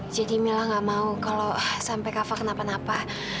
jadi mila gak mau kalau sampai kak fah kenapa napa